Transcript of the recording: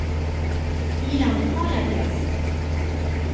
Il en prend la place.